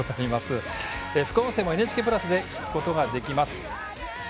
副音声も「ＮＨＫプラス」で聞くことができます。